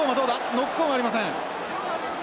ノックオンはありません。